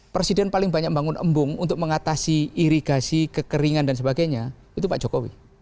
presiden paling banyak bangun embung untuk mengatasi irigasi kekeringan dan sebagainya itu pak jokowi